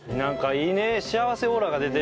いいね。